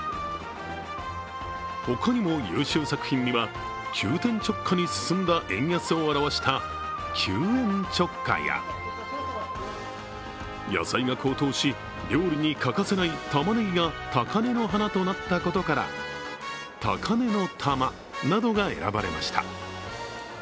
他にも優秀作品には、急転直下に進んだ円安を表した急円超下や野菜が高騰し料理に欠かせないたまねぎが高嶺の花となったことから高値之玉などが選ばれました。